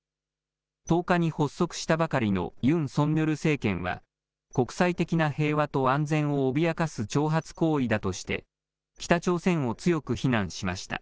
１０日に発足したばかりのユン・ソンニョル政権は国際的な平和と安全を脅かす挑発行為だとして、北朝鮮を強く非難しました。